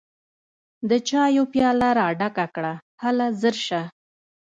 د چايو پياله راډکه کړه هله ژر شه!